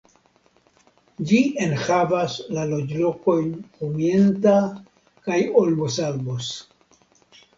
Ĝi enhavas la loĝlokojn Humienta kaj Olmosalbos.